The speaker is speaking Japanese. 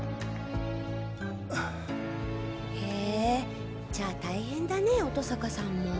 へぇじゃあ大変だね乙坂さんも。